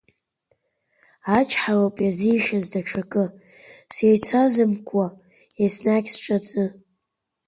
Ачҳароуп иазишаз даҽакы, сеицазымкуа, еснагь сҿаны.